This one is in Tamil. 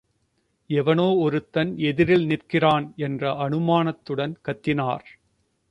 எவனோ ஒருத்தன் எதிரில் நிற்கிறான் என்ற அனுமானத்துடன் கத்தினார்.